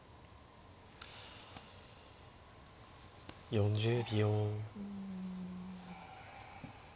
４０秒。